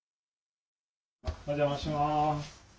お邪魔します。